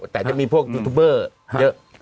แต่จะมีพวกยูทูบเบอร์เยอะ